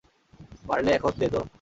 পারলে এখন দে তো।